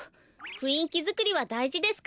ふんいきづくりはだいじですから。